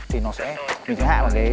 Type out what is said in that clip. thì nó sẽ mình sẽ hạ bằng cái mông cuồng